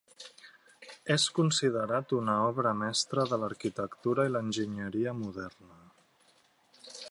És considerat una obra mestra de l'arquitectura i l'enginyeria moderna.